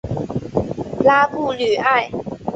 拉布吕埃。